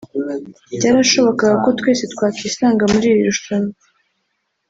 byarashobokaga ko twese twakwisanga muri iri rushanwa